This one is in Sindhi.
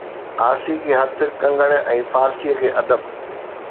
ارسي کي هٿ ڪنگڻ ۽ فارسيءَ کي ادب